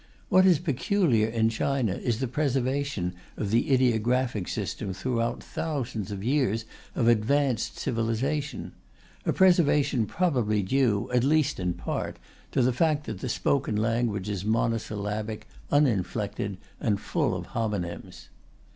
What is peculiar in China is the preservation of the ideographic system throughout thousands of years of advanced civilization a preservation probably due, at least in part, to the fact that the spoken language is monosyllabic, uninflected and full of homonyms.